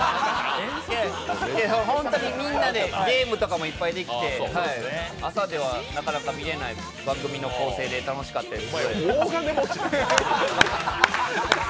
本当にみんなでゲームとかもいっぱいできて、朝ではなかなか見れない番組の構成で楽しかったです。